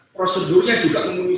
prosedurnya juga memenuhi